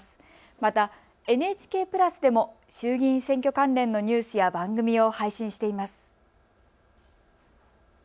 またＮＨＫプラスでも衆議院選挙関連のニュースや番組を配信しています。